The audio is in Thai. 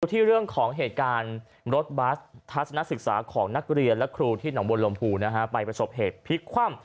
ที่เรื่องของเหตุการณ์รถบัสทัศนศึกษาของนักเรียนและครูที่หนองบนลมภูนะฮะไปประสบเหตุพลิกคว่ำ